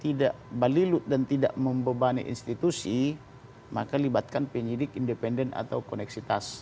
tidak balilut dan tidak membebani institusi maka libatkan penyidik independen atau koneksitas